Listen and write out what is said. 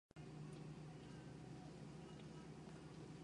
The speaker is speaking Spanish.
Alemán gozaba sin duda de renombre y su obra de reconocida calidad.